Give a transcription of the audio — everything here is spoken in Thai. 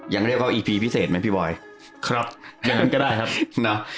ยังเรียกว่าอีพีพิเศษไหมพี่บอยครับอย่างนั้นก็ได้ครับนะ